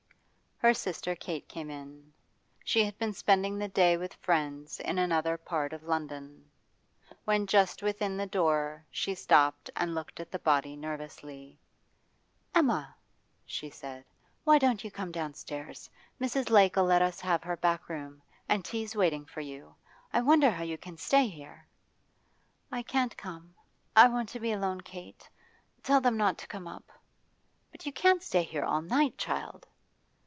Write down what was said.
Her sister Kate came in. She had been spending the day with friends in another part of London. When just within the door she stopped and looked at the body nervously. 'Emma!' she said. 'Why don't you come downstairs? Mrs. Lake'll let us have her back room, and tea's waiting for you. I wonder how you can stay here.' 'I can't come. I want to be alone, Kate. Tell them not to come up.' 'But you can't stay here all night, child!